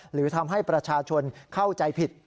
หรือทำให้ประชาชนเข้าใจผิด